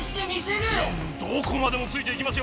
どこまでもついていきますよ